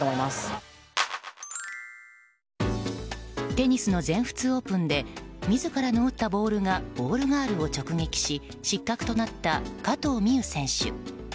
テニスの全仏オープンで自らの打ったボールがボールガールを直撃し失格となった加藤未唯選手。